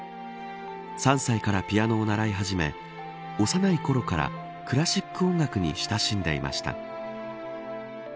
３歳からピアノを習い始め幼いころからクラシック音楽に親しんでいました。